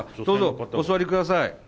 どうぞお座りください。